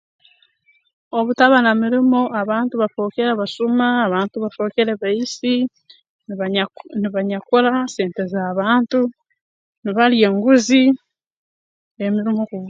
Obu taba na mirimo abantu bafookere basuma abantu bafookere baisi nibanya nibanyakura sente z'abantu nibalya enguzi emiromo kubu